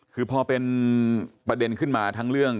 คือพอเป็นประเด็นขึ้นมาทั้งเรื่อง